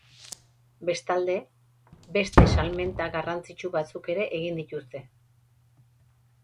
Bestalde, beste salmenta garrantzitsu batzuk ere egin dituzte.